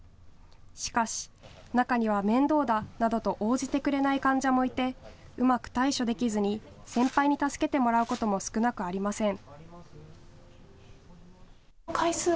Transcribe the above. しかし中には面倒だなどと応じてくれない患者もいてうまく対処できずに先輩に助けてもらうことも少なくありません。